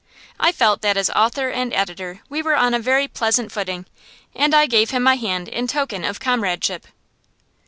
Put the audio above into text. I felt that as author and editor we were on a very pleasant footing, and I gave him my hand in token of comradeship.